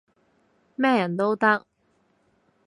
咩人都得